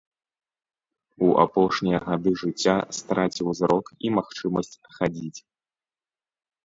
У апошнія гады жыцця страціў зрок і магчымасць хадзіць.